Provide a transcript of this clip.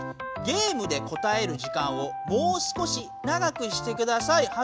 「ゲームで答える時間をもう少し長くしてください。